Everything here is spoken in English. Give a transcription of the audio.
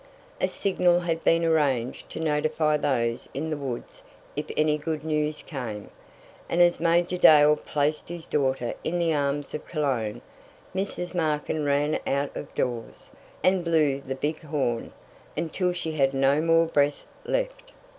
A signal had been arranged to notify those in the woods if any good news came, and as Major Dale placed his daughter in the arms of Cologne, Mrs. Markin ran out of doors, and blew the big horn, until she had no more breath left.